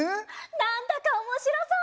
なんだかおもしろそう！